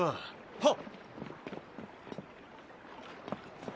はっ！